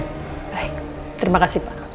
baik terima kasih pak